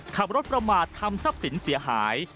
ขับรถประมาททำทรัพย์สินเสียหาย